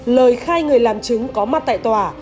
lời khai người làm chứng có mặt tại tòa